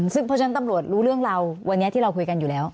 ซึ่งเพราะฉะนั้นตำรวจรู้เรื่องเราวันนี้ที่เราคุยกันอยู่แล้ว